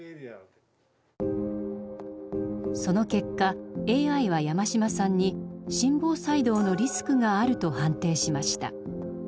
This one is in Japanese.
その結果ＡＩは山島さんに心房細動のリスクがあると判定しました。